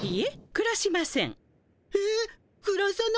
くらしません！